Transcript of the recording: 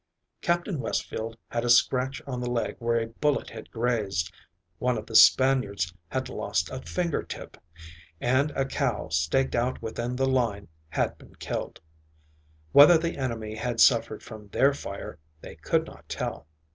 Captain Westfield had a scratch on the leg where a bullet had grazed, one of the Spaniards had lost a finger tip, and a cow staked out within the line had been killed. Whether the enemy had suffered from their fire they could not tell.